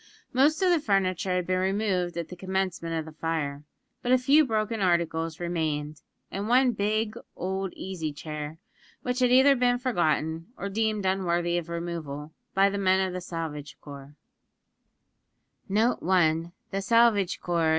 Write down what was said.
Most of the furniture had been removed at the commencement of the fire; but a few broken articles remained, and one big old easy chair, which had either been forgotten, or deemed unworthy of removal, by the men of the Salvage Corps.